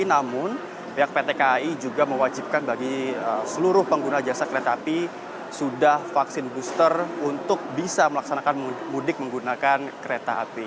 namun pihak pt kai juga mewajibkan bagi seluruh pengguna jasa kereta api sudah vaksin booster untuk bisa melaksanakan mudik menggunakan kereta api